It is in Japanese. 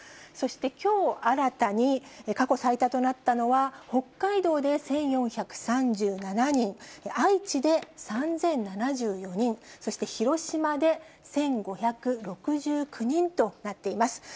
そしてきょう、新たに過去最多となったのは、北海道で１４３７人、愛知で３０７４人、そして広島で１５６９人となっています。